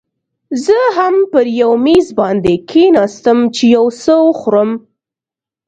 زه هم پر یو میز باندې کښېناستم، چې یو څه وخورم.